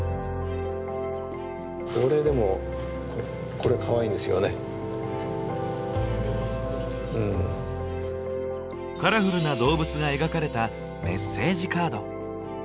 俺でもカラフルな動物が描かれたメッセージカード。